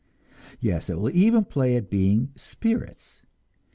Yes, it will even play at being "spirits"!